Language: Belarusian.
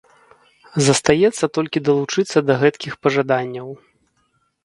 Застаецца толькі далучыцца да гэткіх пажаданняў.